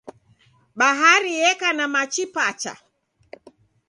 Bahari yeka na machi pacha.